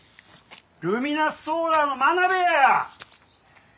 ルミナスソーラーの真鍋や！